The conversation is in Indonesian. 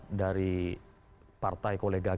kesaksian dari salah satu taleg dari partai kolega gita